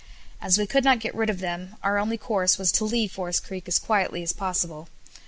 As we could not get rid of them, our only course was to leave Forest Creek as quietly as possible.